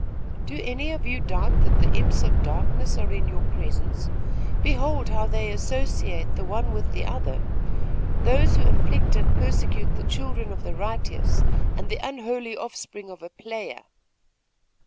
'Do any of you doubt that the imps of darkness are in your presence? Behold how they associate the one with the other. Those who afflict and persecute the children of the righteous, and the unholy offspring of a player!'